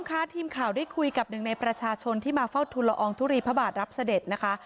ค่ะทีมข่าวได้คุยกับหนึ่งในประชาชนที่มาเฝ้าทุนละอองทุลีพระบาทรับเสด็จนะคะ